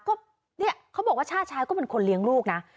ก็เนี่ยเขาบอกว่าชาติชายก็เป็นคนเลี้ยงลูกนะ